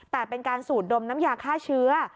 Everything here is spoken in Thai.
แต่เป็นการสูดดมน้ำยาฆ่าเชื้อ